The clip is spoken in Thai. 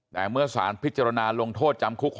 แต่เมื่อสารพิจารณาลงโทษจำคุก